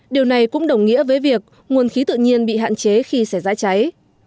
điều này cũng đồng nghĩa với việc nguồn khí tự nhiên bị hạn chế khi xảy ra cháy